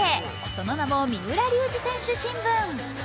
その名も「三浦龍司選手新聞」。